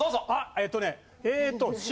えっとねえーっと新。